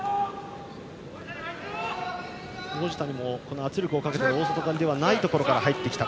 王子谷も圧力をかけて大外刈りではないところから入ってきた。